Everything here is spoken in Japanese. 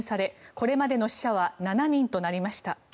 これまでの死者は７人となりました。